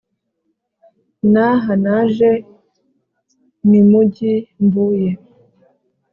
n’aha naje mimugi mvuye